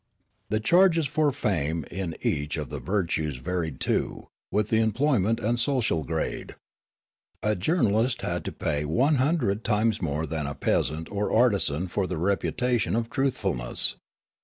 The charges for fame in each of the virtues varied too with the employment and social grade. A journal ist had to pay one hundred times more than a peasant or artisan for the reputation of truthfulness.